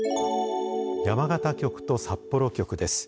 山形局と札幌局です。